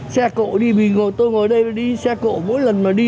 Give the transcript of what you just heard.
xe cộ đi tôi ngồi đây đi xe cộ mỗi lần mà đi